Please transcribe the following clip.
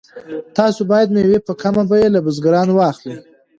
تاسو باید مېوې په کمه بیه له بزګرانو واخلئ.